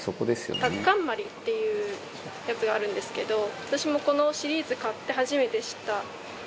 タッカンマリっていうやつがあるんですけど私もこのシリーズ買って初めて知った料理の部類。